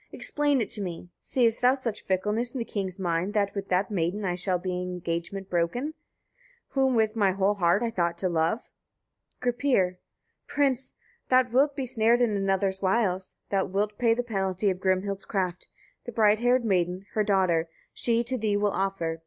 explain it to me: seest thou such fickleness in the king's mind, that with that maiden I shall my engagement break, whom with my whole heart I thought to love? Gripir. 33. Prince! thou wilt be snared in another's wiles, thou wilt pay the penalty of Grimhild's craft; the bright haired maiden, her daughter, she to thee will offer.